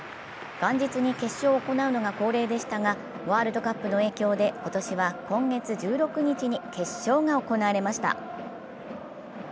元日に決勝を行うのが恒例でしたがワールドカップの影響で今年は今月１６日に決勝が行われました。